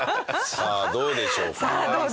さあどうでしょうか？